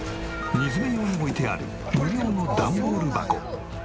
荷詰め用に置いてある無料の段ボール箱。